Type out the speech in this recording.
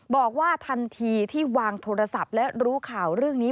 บอกว่าทันทีที่วางโทรศัพท์และรู้ข่าวเรื่องนี้